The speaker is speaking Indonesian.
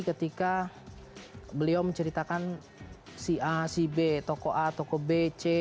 ketika beliau menceritakan si a si b toko a toko b c